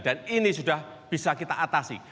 dan ini sudah bisa kita atasi